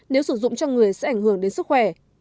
nếu sử dụng cho người sẽ ảnh hưởng đến sức khỏe